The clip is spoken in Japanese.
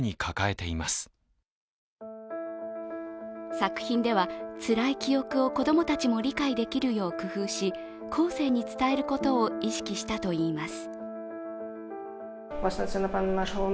作品では、つらい記憶を子供たちも理解できるよう工夫し後世に伝えることを意識したといいます。